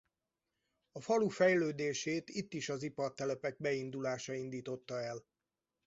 A falu fejlődését itt is az ipartelepek beindulása indította el.